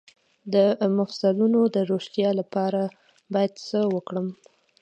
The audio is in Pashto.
د مفصلونو د روغتیا لپاره باید څه وکړم؟